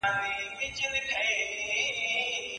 پر لمن د پسرلي به څاڅکي څاڅکي صدف اوري